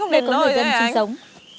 để có người dân chứng sống